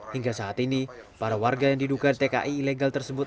hingga saat ini para warga yang diduga tki ilegal tersebut